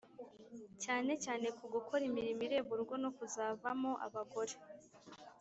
cyanecyane ku gukora imirimo ireba urugo no kuzavamo abagore